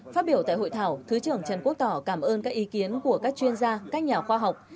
phát biểu tại hội thảo thứ trưởng trần quốc tỏ cảm ơn các ý kiến của các chuyên gia các nhà khoa học